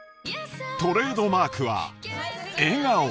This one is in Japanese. トレードマークは笑顔。